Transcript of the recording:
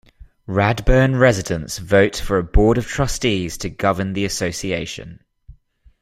Radburn residents vote for a Board of Trustees to govern the Association.